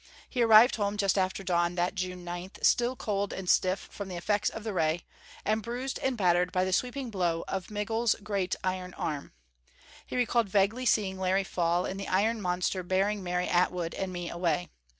He arrived home just after dawn, that June 9, still cold and stiff from the effects of the ray, and bruised and battered by the sweeping blow of Miguel's great iron arm. He recalled vaguely seeing Larry fall, and the iron monster bearing Mary Atwood and me away.